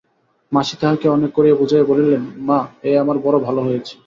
মাসি তাহাকে অনেক করিয়া বুঝাইয়া বলিলেন, মা, এ আমার বড়ো ভালো হয়েছে।